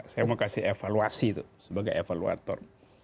saya mau kasih evaluasi itu sebagai evaluator